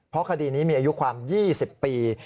เพราะคดีนี้มีอายุความ๒๐ปี